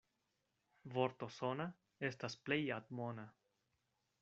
Vorto sona estas plej admona.